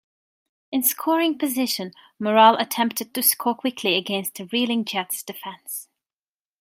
In scoring position, Morrall attempted to score quickly against a reeling Jets defense.